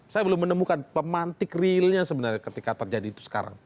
saya belum menemukan pemantik realnya sebenarnya ketika terjadi itu sekarang